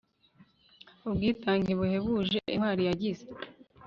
ubwitange buhebuje intwari yagize